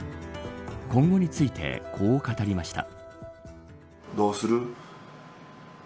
今後について、こう語りました。